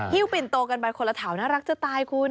ฮิปินโตกันไปคนละแถวน่ารักจะตายคุณ